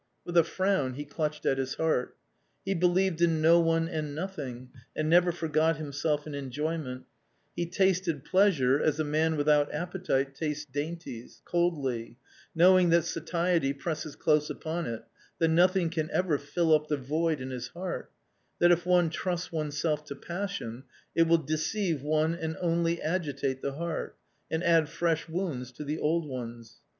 With a frown he clutched at his heart. He believed in no one and nothing, and never forgot himself in enjoyment ; he tasted pleasure as a man without appetite tastes dainties, coldly, knowing that satiety presses close upon it, that nothing can ever fill up the void in his heart ; that if one trusts oneself to passion, it will deceive one and only agitate the heart, and add fresh wounds to the old ones.